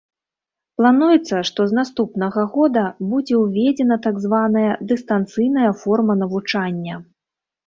Плануецца, што з наступнага года будзе ўведзена так званая дыстанцыйная форма навучання.